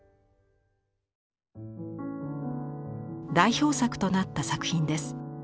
代表作となった作品です。